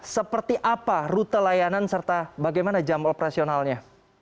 seperti apa rute layanan serta bagaimana jam operasionalnya